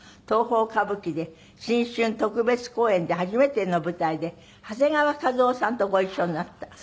東宝歌舞伎で新春特別公演で初めての舞台で長谷川一夫さんとご一緒になった。